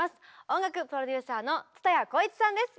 音楽プロデューサーの蔦谷好位置さんです。